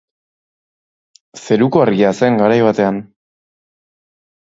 Zeruko Argia zen garai batean.